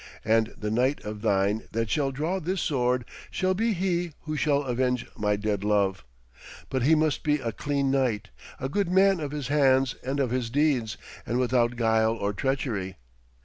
And the knight of thine that shall draw this sword shall be he who shall avenge my dead love. But he must be a clean knight, a good man of his hands and of his deeds, and without guile or treachery.